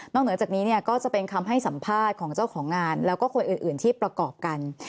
เหนือจากนี้ก็จะเป็นคำให้สัมภาษณ์ของเจ้าของงานแล้วก็คนอื่นที่ประกอบกัน